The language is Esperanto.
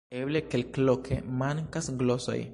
Eble, kelkloke mankas glosoj.